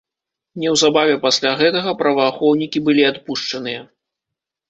Неўзабаве пасля гэтага праваахоўнікі былі адпушчаныя.